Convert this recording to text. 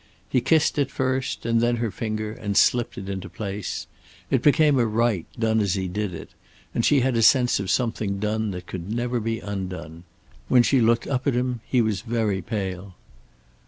He kissed it first and then her finger, and slipped it into place. It became a rite, done as he did it, and she had a sense of something done that could never be undone. When she looked up at him he was very pale.